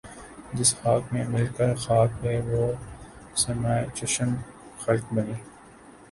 جس خاک میں مل کر خاک ہوئے وہ سرمۂ چشم خلق بنی